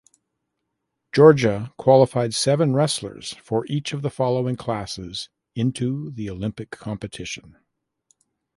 Georgia qualified seven wrestlers for each of the following classes into the Olympic competition.